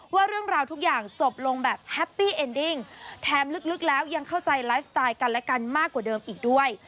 ว่าเรื่องราวทุกอย่างจบลงแบบแฮปปี้เอ็นดิ้งแถมลึกแล้วยังเข้าใจไลฟ์สไตล์กันและกันมากกว่าเดิมอีกด้วย